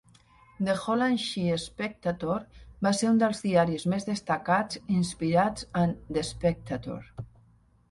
El "Hollandsche Spectator" va ser un dels diaris més destacats inspirats en "The Spectator".